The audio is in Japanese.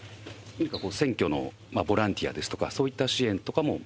なんか選挙のボランティアですとか、そういった支援とかも？